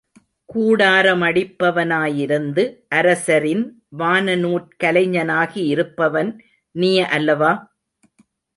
கூடார மடிப்பவனாயிருந்து, அரசரின் வானநூற்கலைஞனாகி இருப்பவன் நீ, அல்லவா?